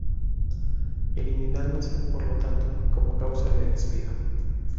Eliminándose, por lo tanto, como causa de despido.